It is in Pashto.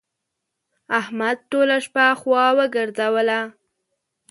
احمد ټوله شپه خوا وګرځوله.